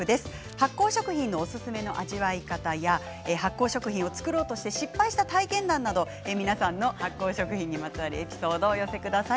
発酵食品のおすすめの味わい方や発酵食品を造ろうとして失敗した体験談など皆さんの発酵食品にまつわるエピソードをお寄せください。